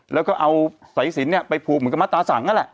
แล้วเขาเอาสายสินเนี่ยไปผูกเหมือนกับมัฏรสังษณ์นั่นแหละ